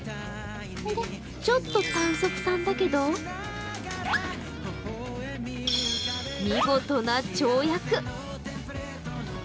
ちょっと短足さんだけど、見事な跳躍。